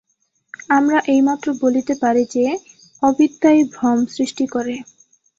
আমরা এই মাত্র বলিতে পারি যে, অবিদ্যাই ভ্রম সৃষ্টি করে।